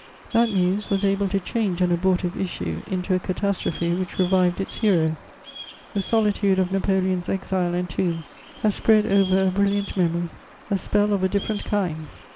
That muse was able to change an abortive issue into a catastrophe which revived its hero. The solitude of Napoleon's exile and tomb has spread over a brilliant memory a spell of a different kind.